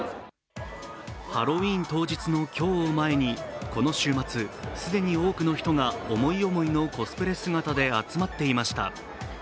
ハロウィーン当日の今日を前にこの週末、既に多くの人が思い思いのコスプレ姿で集まっていました。